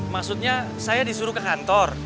maksudnya saya disuruh ke kantor